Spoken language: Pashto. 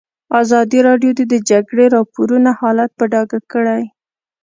ازادي راډیو د د جګړې راپورونه حالت په ډاګه کړی.